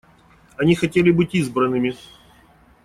Они хотели быть избранными.